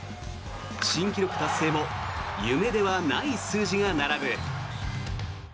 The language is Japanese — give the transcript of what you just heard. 新記録達成も夢ではない数字が並ぶ。